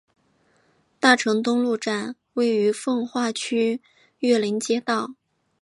大成东路站位于奉化区岳林街道。